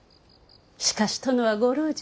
しかし殿はご老中